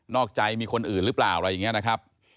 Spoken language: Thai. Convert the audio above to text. อกใจมีคนอื่นหรือเปล่าอะไรอย่างนี้นะครับ